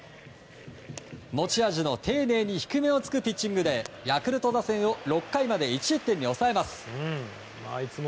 持ち味の丁寧に低めを突くピッチングでヤクルト打線を６回まで１失点に抑えます。